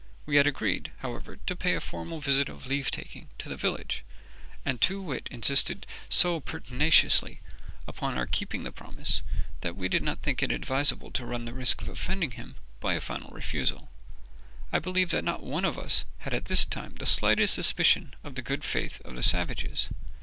We had agreed, however, to pay a formal visit of leave taking to the village, and Too wit insisted so pertinaciously upon our keeping the promise that we did not think it advisable to run the risk of offending him by a final refusal. I believe that not one of us had at this time the slightest suspicion of the good faith of the savages.